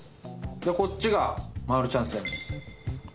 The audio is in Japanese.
こっちがマルちゃん正麺です。